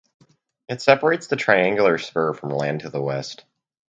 It separates the triangular spur from land to the west.